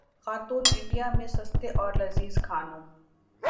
خاتون انڈیا میں سستے اور لذیذ کھانوں